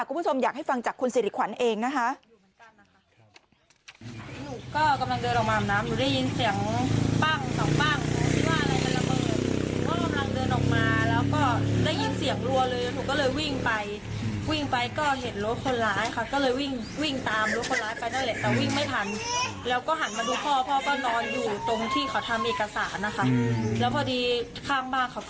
คุณผู้ชมอยากให้ฟังจากคุณสิริขวัญเองนะคะ